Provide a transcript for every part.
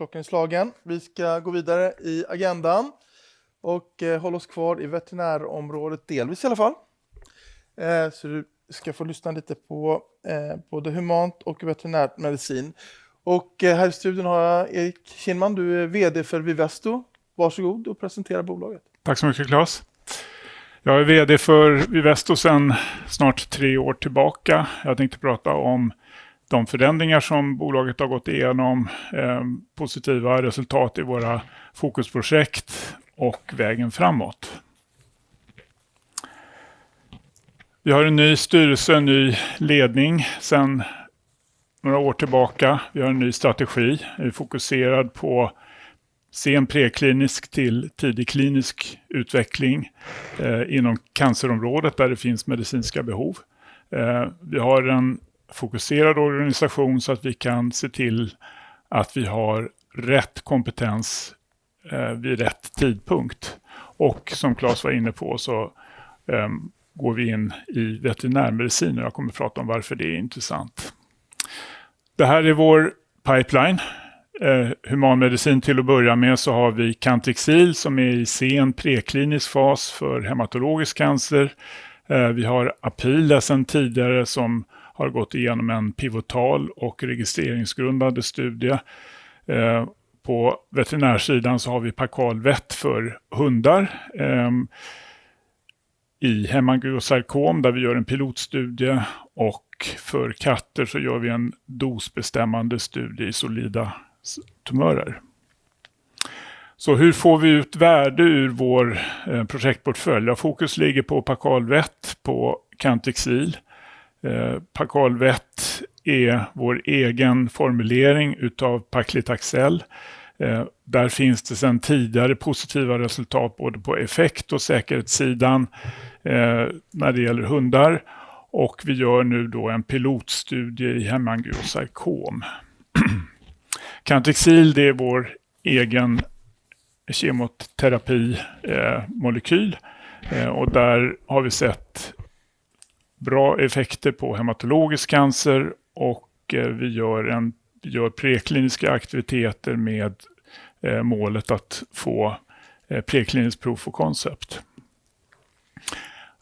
Klockan är slagen. Vi ska gå vidare i agendan och hålla oss kvar i veterinärområdet, delvis i alla fall. Så du ska få lyssna lite på både humant och veterinärmedicin. Här i studion har jag Erik Kinnmann. Du är VD för Vivesto. Varsågod och presentera bolaget. Tack så mycket, Claes. Jag är VD för Vivesto sedan snart tre år tillbaka. Jag tänkte prata om de förändringar som bolaget har gått igenom, positiva resultat i våra fokusprojekt och vägen framåt. Vi har en ny styrelse, en ny ledning sedan några år tillbaka. Vi har en ny strategi. Vi är fokuserade på sen preklinisk till tidig klinisk utveckling inom cancerområdet där det finns medicinska behov. Vi har en fokuserad organisation så att vi kan se till att vi har rätt kompetens vid rätt tidpunkt. Som Claes var inne på så går vi in i veterinärmedicin och jag kommer prata om varför det är intressant. Det här är vår pipeline. Humanmedicin till att börja med så har vi Cantrixil som är i sen preklinisk fas för hematologisk cancer. Vi har Apila sedan tidigare som har gått igenom en pivotal och registreringsgrundande studie. På veterinärsidan så har vi Pakalvet för hundar i hemangiosarkom där vi gör en pilotstudie och för katter så gör vi en dosbestämmande studie i solida tumörer. Hur får vi ut värde ur vår projektportfölj? Fokus ligger på Pakalvet, på Cantrixil. Pakalvet är vår egen formulering av Paklitaxel. Där finns det sedan tidigare positiva resultat både på effekt och säkerhetssidan när det gäller hundar. Vi gör nu då en pilotstudie i hemangiosarkom. Cantrixil är vår egen kemoterapimolekyl och där har vi sett bra effekter på hematologisk cancer och vi gör prekliniska aktiviteter med målet att få prekliniskt proof of concept.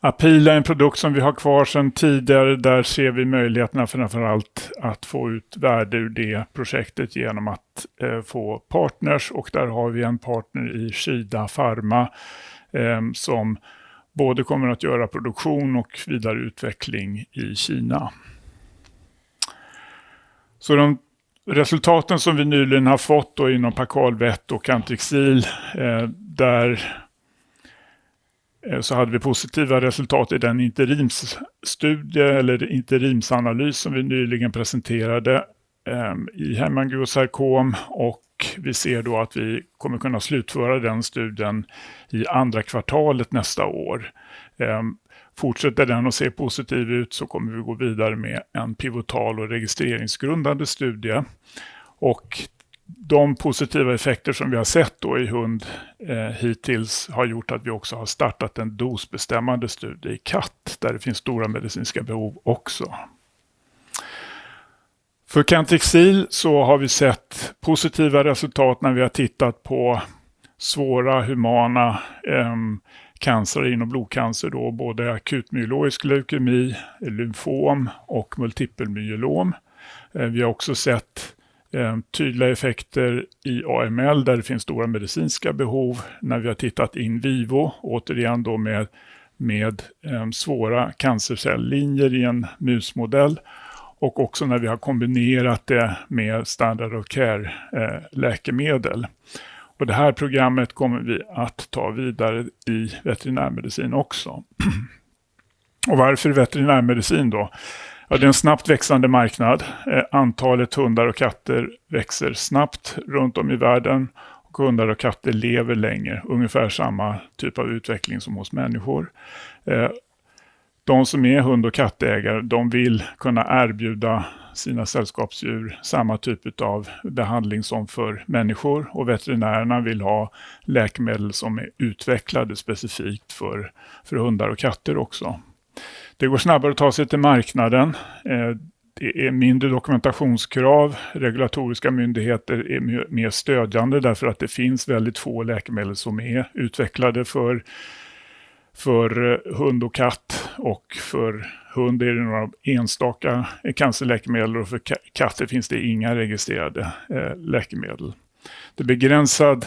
Apila är en produkt som vi har kvar sedan tidigare. Där ser vi möjligheterna framför allt att få ut värde ur det projektet genom att få partners och där har vi en partner i Kina Pharma som både kommer att göra produktion och vidareutveckling i Kina. De resultaten som vi nyligen har fått inom Pakalvet och Cantrixil, där hade vi positiva resultat i den interimsstudie eller interimsanalys som vi nyligen presenterade i hemangiosarkom och vi ser att vi kommer kunna slutföra den studien i andra kvartalet nästa år. Fortsätter den att se positiv ut kommer vi gå vidare med en pivotal och registreringsgrundande studie. De positiva effekter som vi har sett i hund hittills har gjort att vi också har startat en dosbestämmande studie i katt där det finns stora medicinska behov också. För Cantrixil har vi sett positiva resultat när vi har tittat på svåra humana cancer inom blodcancer, både akut myeloisk leukemi, lymfom och multipel myelom. Vi har också sett tydliga effekter i AML där det finns stora medicinska behov när vi har tittat in vivo, återigen då med svåra cancercelllinjer i en musmodell och också när vi har kombinerat det med standard of care-läkemedel. Det här programmet kommer vi att ta vidare i veterinärmedicin också. Varför veterinärmedicin då? Ja, det är en snabbt växande marknad. Antalet hundar och katter växer snabbt runt om i världen och hundar och katter lever längre, ungefär samma typ av utveckling som hos människor. De som är hund- och kattägare, de vill kunna erbjuda sina sällskapsdjur samma typ av behandling som för människor och veterinärerna vill ha läkemedel som är utvecklade specifikt för hundar och katter också. Det går snabbare att ta sig till marknaden. Det är mindre dokumentationskrav. Regulatoriska myndigheter är mer stödjande därför att det finns väldigt få läkemedel som är utvecklade för hund och katt. Och för hund är det några enstaka cancerläkemedel och för katter finns det inga registrerade läkemedel. Det är begränsad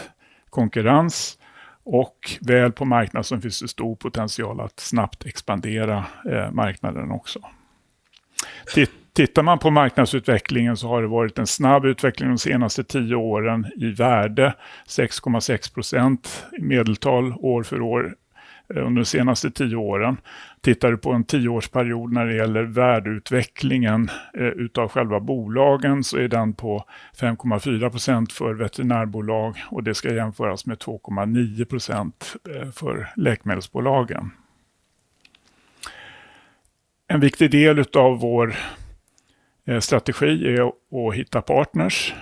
konkurrens och väl på marknad som finns det stor potential att snabbt expandera marknaden också. Tittar man på marknadsutvecklingen så har det varit en snabb utveckling de senaste tio åren i värde, 6,6% i medeltal år för år under de senaste tio åren. Tittar du på en tioårsperiod när det gäller värdeutvecklingen av själva bolagen så är den på 5,4% för veterinärbolag och det ska jämföras med 2,9% för läkemedelsbolagen. En viktig del av vår strategi är att hitta partners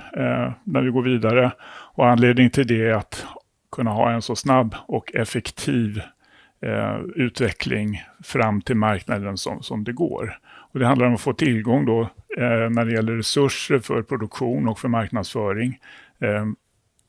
när vi går vidare och anledningen till det är att kunna ha en så snabb och effektiv utveckling fram till marknaden som det går. Det handlar om att få tillgång då när det gäller resurser för produktion och för marknadsföring.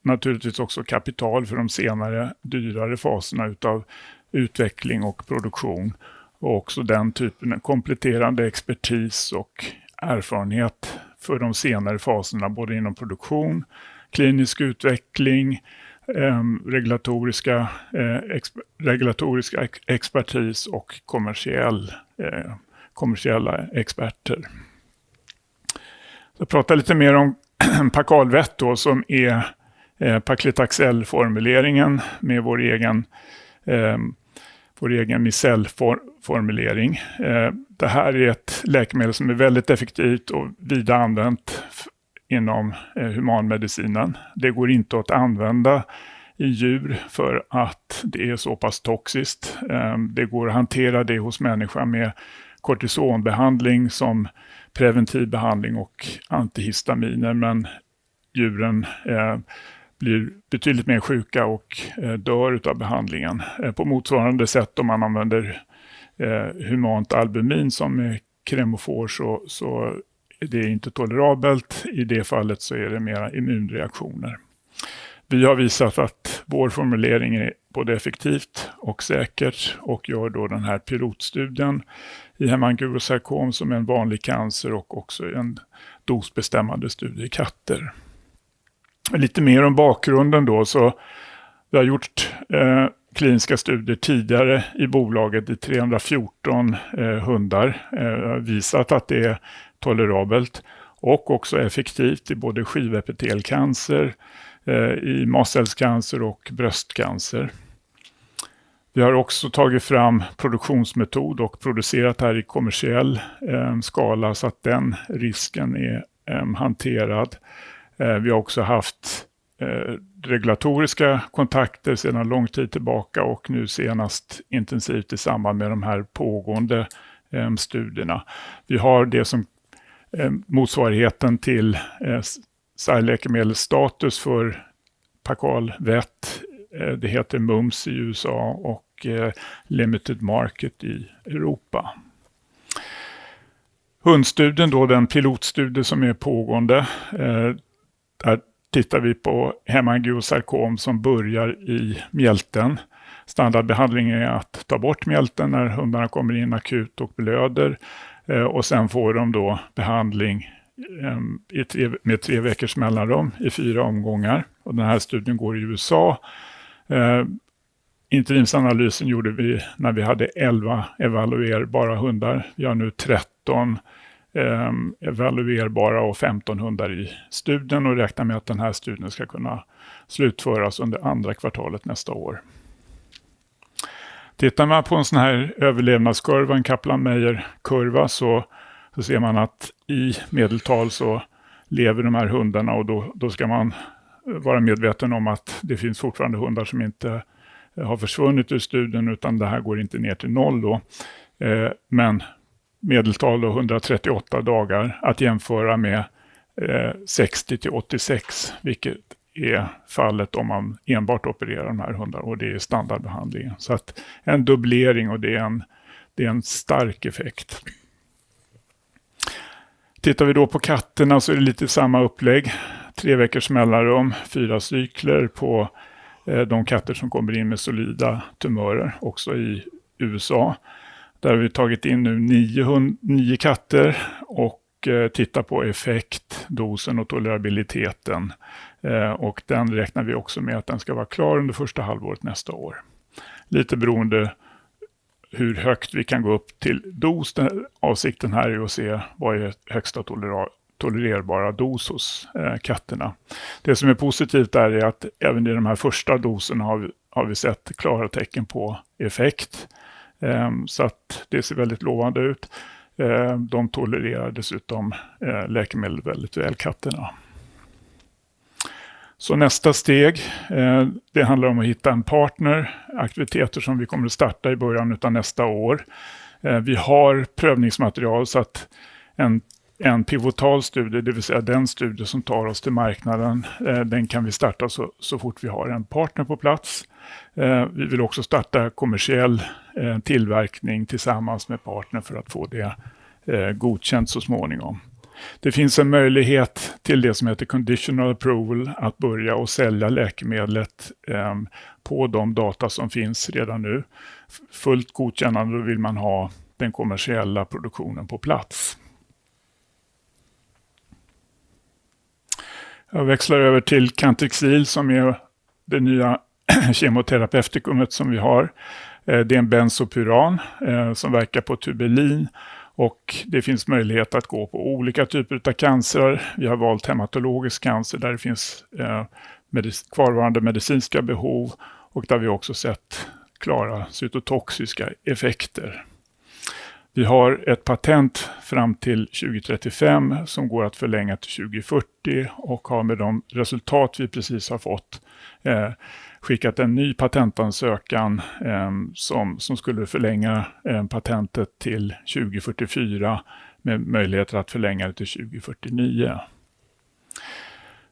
Naturligtvis också kapital för de senare dyrare faserna av utveckling och produktion och också den typen av kompletterande expertis och erfarenhet för de senare faserna både inom produktion, klinisk utveckling, regulatorisk expertis och kommersiella experter. Jag pratar lite mer om Pakalvet som är Paklitaxel-formuleringen med vår egen micellformulering. Det här är ett läkemedel som är väldigt effektivt och vida använt inom humanmedicinen. Det går inte att använda i djur för att det är så pass toxiskt. Det går att hantera det hos människa med kortisonbehandling som preventiv behandling och antihistaminer, men djuren blir betydligt mer sjuka och dör av behandlingen. På motsvarande sätt, om man använder humant albumin som är kremofors, så är det inte tolerabelt. I det fallet så är det mera immunreaktioner. Vi har visat att vår formulering är både effektiv och säker och gör då den här pilotstudien i hemangiosarkom som är en vanlig cancer och också en dosbestämmande studie i katter. Lite mer om bakgrunden då så vi har gjort kliniska studier tidigare i bolaget i 314 hundar. Vi har visat att det är tolerabelt och också effektivt i både skivepitelcancer, i mastcellscancer och bröstcancer. Vi har också tagit fram produktionsmetod och producerat här i kommersiell skala så att den risken är hanterad. Vi har också haft regulatoriska kontakter sedan lång tid tillbaka och nu senast intensivt i samband med de här pågående studierna. Vi har det som motsvarigheten till SciLifeLine-status för Pakalvet. Det heter MUMS i USA och Limited Market i Europa. Hundstudien, då den pilotstudie som är pågående, där tittar vi på hemangiosarkom som börjar i mjälten. Standardbehandlingen är att ta bort mjälten när hundarna kommer in akut och blöder och sedan får de då behandling med tre veckors mellanrum i fyra omgångar. Den här studien går i USA. Interimsanalysen gjorde vi när vi hade 11 evaluerbara hundar. Vi har nu 13 evaluerbara och 15 hundar i studien och räknar med att den här studien ska kunna slutföras under andra kvartalet nästa år. Tittar man på en sådan här överlevnadskurva, en Kaplan-Meier-kurva, så ser man att i medeltal så lever de här hundarna och då ska man vara medveten om att det finns fortfarande hundar som inte har försvunnit ur studien utan det här går inte ner till noll då. Men medeltal då, 138 dagar att jämföra med 60-86, vilket är fallet om man enbart opererar de här hundarna och det är standardbehandlingen. Så att en dubblering och det är en stark effekt. Tittar vi då på katterna så är det lite samma upplägg. Tre veckors mellanrum, fyra cykler på de katter som kommer in med solida tumörer, också i USA. Där har vi tagit in nu nio katter och tittat på effekt, dosen och tolerabiliteten. Den räknar vi också med att den ska vara klar under första halvåret nästa år. Lite beroende hur högt vi kan gå upp till dos. Avsikten här är ju att se vad är högsta tolererbara dos hos katterna. Det som är positivt där är att även i de här första doserna har vi sett klara tecken på effekt. Det ser väldigt lovande ut. De tolererar dessutom läkemedel väldigt väl, katterna. Nästa steg handlar om att hitta en partner. Aktiviteter som vi kommer att starta i början av nästa år. Vi har prövningsmaterial så att en pivotal studie, det vill säga den studie som tar oss till marknaden, den kan vi starta så fort vi har en partner på plats. Vi vill också starta kommersiell tillverkning tillsammans med partner för att få det godkänt så småningom. Det finns en möjlighet till det som heter conditional approval att börja och sälja läkemedlet på de data som finns redan nu. Fullt godkännande vill man ha den kommersiella produktionen på plats. Jag växlar över till Cantrixil som är det nya kemoterapeutikumet som vi har. Det är en benzopyran som verkar på tubulin och det finns möjlighet att gå på olika typer av cancrar. Vi har valt hematologisk cancer där det finns kvarvarande medicinska behov och där vi också sett klara cytotoxiska effekter. Vi har ett patent fram till 2035 som går att förlänga till 2040 och har med de resultat vi precis har fått, skickat en ny patentansökan, som skulle förlänga patentet till 2044 med möjligheter att förlänga det till 2049.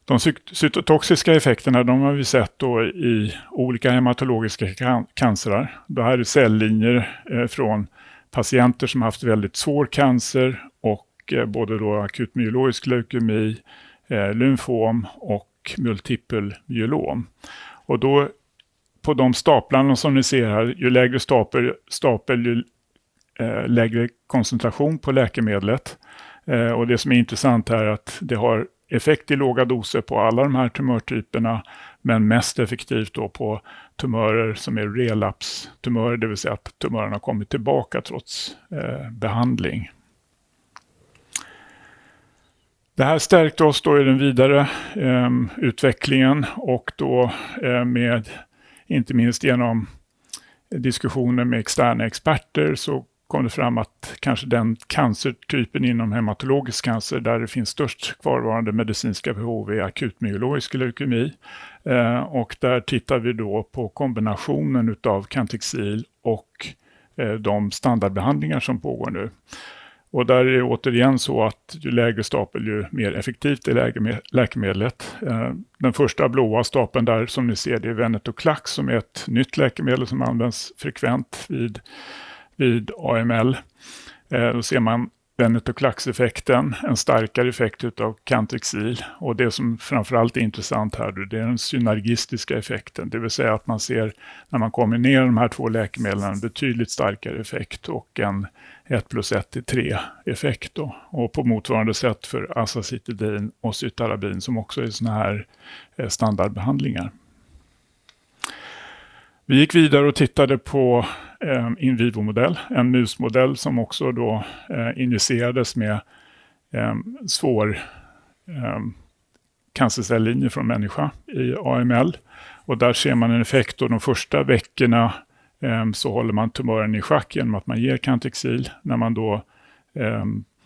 De cytotoxiska effekterna, de har vi sett i olika hematologiska cancrar. Det här är celllinjer från patienter som haft väldigt svår cancer och både akut myeloisk leukemi, lymfom och multipel myelom. På de staplarna som ni ser här, ju lägre stapel, ju lägre koncentration på läkemedlet. Det som är intressant är att det har effekt i låga doser på alla de här tumörtyperna, men mest effektivt på tumörer som är relapstumörer, det vill säga att tumörerna har kommit tillbaka trots behandling. Det här stärkte oss då i den vidare utvecklingen och då, med inte minst genom diskussioner med externa experter, så kom det fram att kanske den cancertypen inom hematologisk cancer där det finns störst kvarvarande medicinska behov är akut myeloisk leukemi. Och där tittar vi då på kombinationen av Cantrixil och de standardbehandlingar som pågår nu. Och där är det återigen så att ju lägre stapel, ju mer effektivt är läkemedlet. Den första blåa stapeln där som ni ser, det är Venetoclax som är ett nytt läkemedel som används frekvent vid AML. Då ser man Venetoclax-effekten, en starkare effekt av Cantrixil. Och det som framför allt är intressant här, det är den synergistiska effekten, det vill säga att man ser när man kommer ner i de här två läkemedlen en betydligt starkare effekt och en 1 plus 1 till 3-effekt. Och på motsvarande sätt för Azacitidin och Cytarabin som också är sådana här standardbehandlingar. Vi gick vidare och tittade på in vivo-modell, en musmodell som också då injicerades med svår cancercelllinje från människa i AML. Där ser man en effekt och de första veckorna så håller man tumören i schack genom att man ger Cantrixil. När man då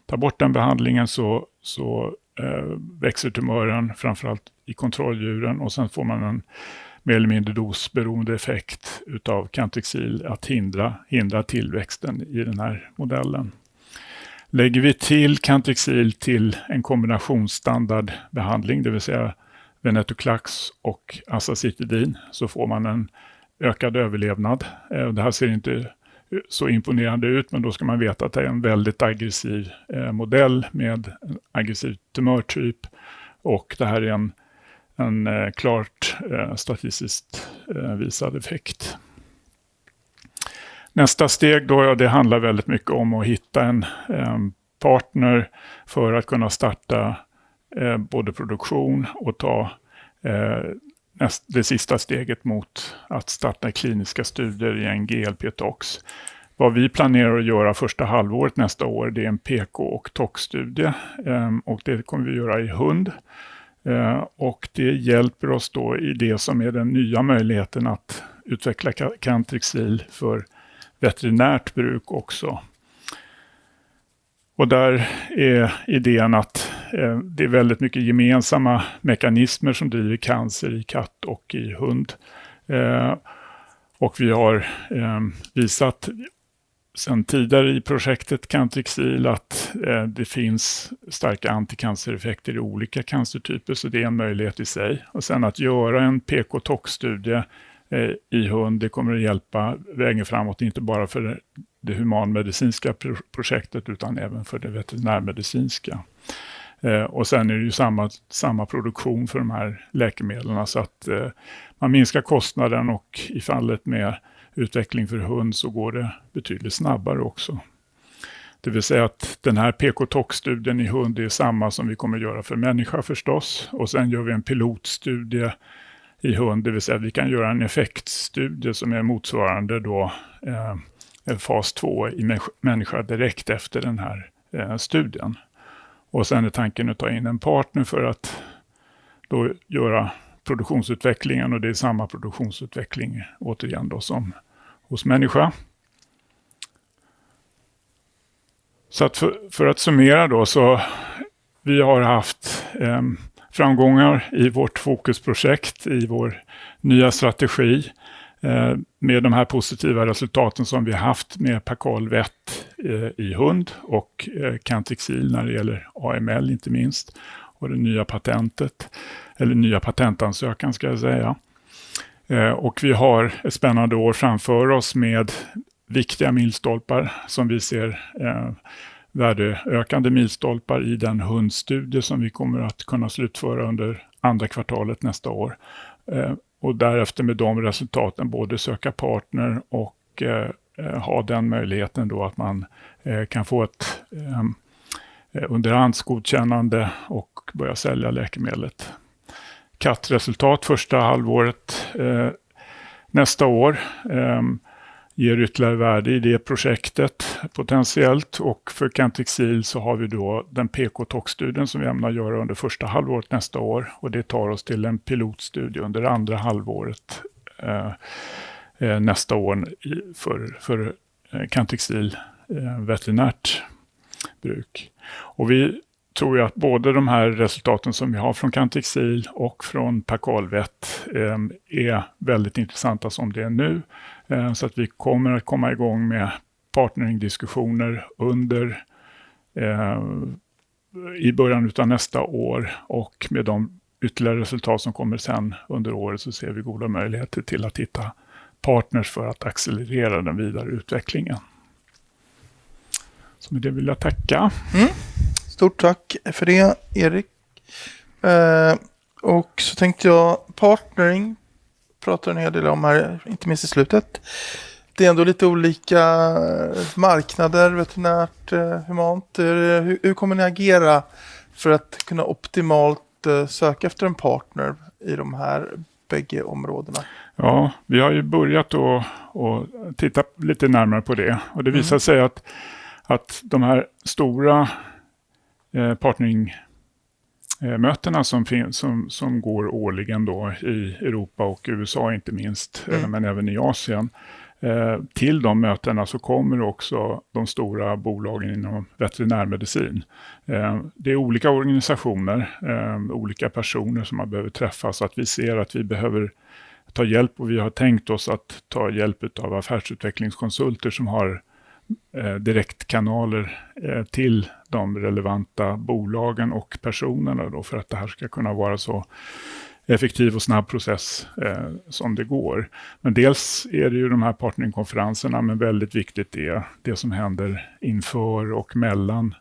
tar bort den behandlingen så växer tumören framför allt i kontrolldjuren och sen får man en mer eller mindre dosberoende effekt av Cantrixil att hindra tillväxten i den här modellen. Lägger vi till Cantrixil till en kombinationsstandardbehandling, det vill säga Venetoclax och Azacitidin, så får man en ökad överlevnad. Det här ser inte så imponerande ut, men då ska man veta att det är en väldigt aggressiv modell med en aggressiv tumörtyp och det här är en klart statistiskt visad effekt. Nästa steg då, det handlar väldigt mycket om att hitta en partner för att kunna starta både produktion och ta det sista steget mot att starta kliniska studier i en GLP-tox. Vad vi planerar att göra första halvåret nästa år, det är en PKOK-toxstudie och det kommer vi göra i hund. Det hjälper oss då i det som är den nya möjligheten att utveckla Cantrixil för veterinärt bruk också. Där är idén att det är väldigt mycket gemensamma mekanismer som driver cancer i katt och i hund. Vi har visat sedan tidigare i projektet Cantrixil att det finns starka anticancereffekter i olika cancertyper, så det är en möjlighet i sig. Sedan att göra en PKOK-toxstudie i hund, det kommer att hjälpa vägen framåt, inte bara för det humanmedicinska projektet utan även för det veterinärmedicinska. Och sedan är det ju samma produktion för de här läkemedlen så att man minskar kostnaden och i fallet med utveckling för hund så går det betydligt snabbare också. Det vill säga att den här PKOK-toxstudien i hund är samma som vi kommer att göra för människa förstås. Och sedan gör vi en pilotstudie i hund, det vill säga att vi kan göra en effektstudie som är motsvarande då, en fas två i människa direkt efter den här studien. Och sedan är tanken att ta in en partner för att då göra produktionsutvecklingen och det är samma produktionsutveckling återigen då som hos människa. För att summera då så, vi har haft framgångar i vårt fokusprojekt i vår nya strategi, med de här positiva resultaten som vi haft med Pakalvet i hund och Cantrixil när det gäller AML, inte minst, och det nya patentet, eller nya patentansökan ska jag säga. Vi har ett spännande år framför oss med viktiga milstolpar som vi ser, värdeökande milstolpar i den hundstudie som vi kommer att kunna slutföra under andra kvartalet nästa år. Därefter med de resultaten både söka partner och ha den möjligheten då att man kan få ett underhandsgodkännande och börja sälja läkemedlet. Katt-resultat första halvåret nästa år ger ytterligare värde i det projektet potentiellt. För Cantrixil så har vi då den PKOK-toxstudien som vi ämnar göra under första halvåret nästa år och det tar oss till en pilotstudie under andra halvåret nästa år för Cantrixil veterinärt bruk. Och vi tror ju att både de här resultaten som vi har från Cantrixil och från Pakalvet är väldigt intressanta som det är nu. Så att vi kommer att komma igång med partneringdiskussioner i början av nästa år och med de ytterligare resultat som kommer sedan under året så ser vi goda möjligheter till att hitta partners för att accelerera den vidare utvecklingen. Med det vill jag tacka. Stort tack för det, Erik. Så tänkte jag, partnering pratar en hel del om här, inte minst i slutet. Det är ändå lite olika marknader, veterinärt, humant. Hur kommer ni agera för att kunna optimalt söka efter en partner i de här båda områdena? Ja, vi har ju börjat då och titta lite närmare på det. Och det visar sig att de här stora partneringmötena som finns, som går årligen då i Europa och USA, inte minst, men även i Asien. Till de mötena så kommer också de stora bolagen inom veterinärmedicin. Det är olika organisationer, olika personer som man behöver träffa. Så att vi ser att vi behöver ta hjälp och vi har tänkt oss att ta hjälp av affärsutvecklingskonsulter som har direktkanaler till de relevanta bolagen och personerna då för att det här ska kunna vara så effektiv och snabb process som det går. Men dels är det ju de här partneringkonferenserna, men väldigt viktigt är det som händer inför och mellan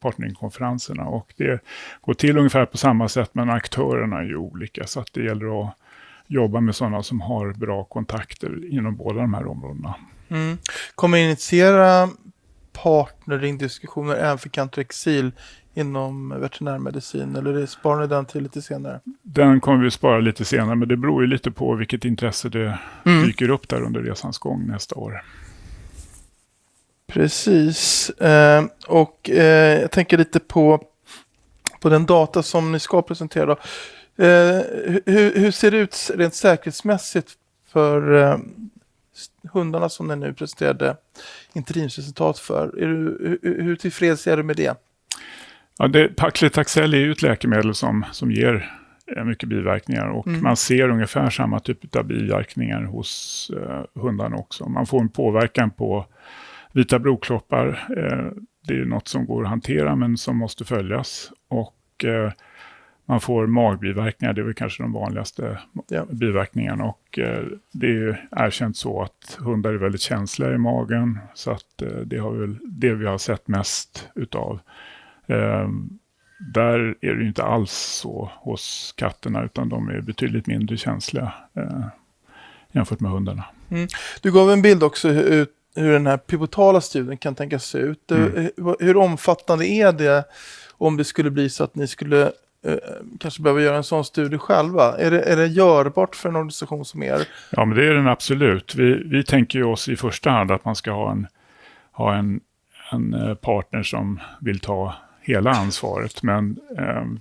partneringkonferenserna. Och det går till ungefär på samma sätt, men aktörerna är ju olika. Så att det gäller att jobba med sådana som har bra kontakter inom båda de här områdena. Kommer ni att initiera partneringdiskussioner även för Cantrixil inom veterinärmedicin eller sparar ni den till lite senare? Den kommer vi att spara lite senare, men det beror ju lite på vilket intresse det dyker upp där under resans gång nästa år. Precis. Jag tänker lite på den data som ni ska presentera då. Hur ser det ut rent säkerhetsmässigt för hundarna som ni nu presenterade interimsresultat för? Hur tillfredsställd är du med det? Ja, det är paklitaxel är ju ett läkemedel som ger mycket biverkningar och man ser ungefär samma typ av biverkningar hos hundarna också. Man får en påverkan på vita blodkroppar. Det är ju något som går att hantera, men som måste följas. Man får magbiverkningar, det är väl kanske de vanligaste biverkningarna. Och det är ju erkänt så att hundar är väldigt känsliga i magen, så att det har väl det vi har sett mest av. Där är det ju inte alls så hos katterna utan de är betydligt mindre känsliga, jämfört med hundarna. Du gav en bild också hur den här pivotala studien kan tänkas se ut. Hur omfattande är det om det skulle bli så att ni skulle, kanske behöva göra en sådan studie själva? Är det görbart för en organisation som... Ja, men det är den absolut. Vi tänker ju oss i första hand att man ska ha en partner som vill ta hela ansvaret. Men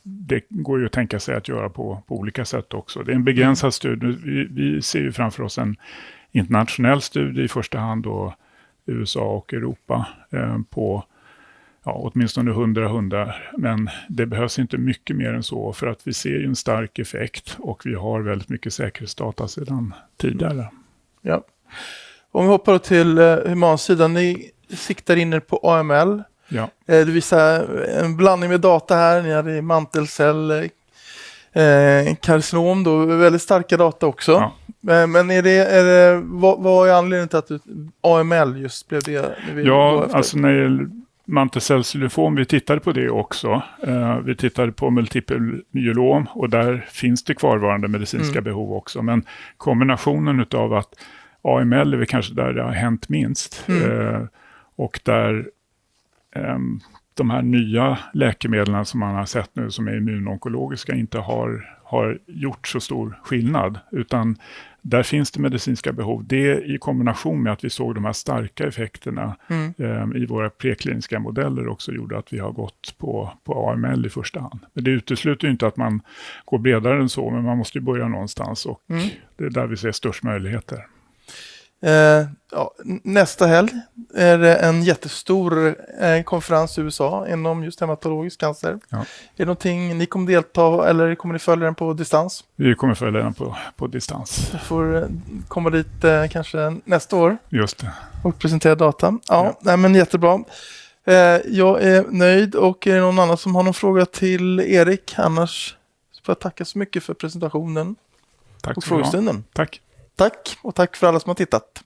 det går ju att tänka sig att göra på olika sätt också. Det är en begränsad studie. Vi ser ju framför oss en internationell studie i första hand då USA och Europa, på, ja, åtminstone hundra hundar. Men det behövs inte mycket mer än så för att vi ser ju en stark effekt och vi har väldigt mycket säkerhetsdata sedan tidigare. Ja, om vi hoppar då till humansidan, ni siktar in på AML. Ja, det vill säga en blandning med data här, ni hade mantelcell, karcinom, då väldigt starka data också. Men är det, är det, vad är anledningen till att AML just blev det? Ja, alltså när det gäller mantelcellslymfom, vi tittade på det också. Vi tittade på multipel myelom och där finns det kvarvarande medicinska behov också. Men kombinationen av att AML är väl kanske där det har hänt minst och där, de här nya läkemedlen som man har sett nu som är immunonkologiska inte har gjort så stor skillnad. Utan där finns det medicinska behov. Det i kombination med att vi såg de här starka effekterna i våra prekliniska modeller också gjorde att vi har gått på AML i första hand. Men det utesluter ju inte att man går bredare än så, men man måste ju börja någonstans och det är där vi ser störst möjligheter. Ja, nästa helg är det en jättestor konferens i USA inom just hematologisk cancer. Är det någonting ni kommer delta eller kommer ni följa den på distans? Vi kommer följa den på distans. Vi får komma dit kanske nästa år. Just det. Och presentera data. Ja, nej men jättebra. Jag är nöjd och är det någon annan som har någon fråga till Erik? Annars får jag tacka så mycket för presentationen och frågestunden. Tack. Tack och tack för alla som har tittat.